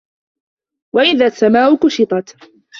وَإِذَا السَّماءُ كُشِطَت